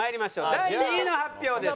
第２位の発表です。